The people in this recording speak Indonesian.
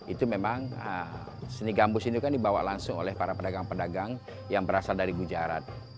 itu memang seni gambus ini kan dibawa langsung oleh para pedagang pedagang yang berasal dari gujarat